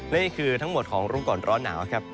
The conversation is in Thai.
และนี่คือทั้งหมดของรู้ก่อนร้อนหนาวครับ